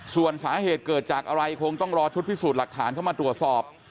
ส่วนสาเหตุเกิดจากอะไรคงต้องรอชุดพิสูจน์หลักฐานเข้ามาตรวจสอบ